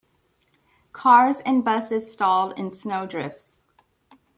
Cars and busses stalled in snow drifts.